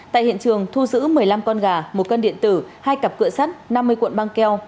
tại hiện trường thu giữ một mươi năm con gà một cân điện tử hai cặp cửa sắt năm mươi cuộn băng keo